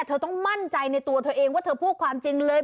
เธอต้องมั่นใจในตัวเธอเองว่าเธอพูดความจริงเลย